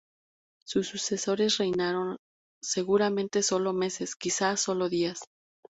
Sus sucesores reinaron seguramente sólo meses, quizás sólo días.